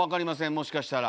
もしかしたら。